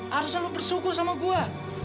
harusnya lu bersyukur sama gue